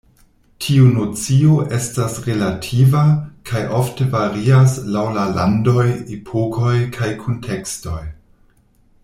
Tiu nocio estas relativa, kaj ofte varias laŭ la landoj, epokoj kaj kuntekstoj.